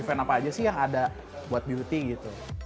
event apa aja sih yang ada buat beauty gitu